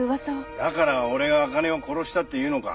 だから俺があかねを殺したっていうのか？